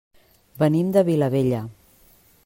Venim de Vilabella.